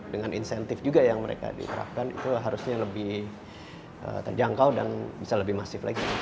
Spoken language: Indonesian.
dengan insentif juga yang mereka diterapkan itu harusnya lebih terjangkau dan bisa lebih masif lagi